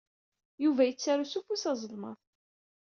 Yuba yettaru s ufus azelmaḍ.